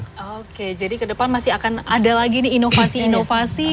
oke jadi ke depan masih akan ada lagi nih inovasi inovasi